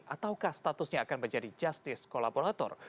ataukah statusnya akan menjadi justice kolaborator